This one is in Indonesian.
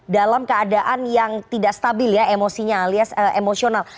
dalam keadaan yang tidak stabil ya emosinya alias emosional